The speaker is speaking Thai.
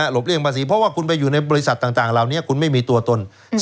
เลี่ยงภาษีเพราะว่าคุณไปอยู่ในบริษัทต่างเหล่านี้คุณไม่มีตัวตน